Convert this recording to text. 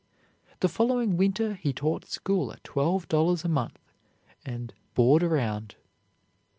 The following winter he taught school at twelve dollars a month and "board around."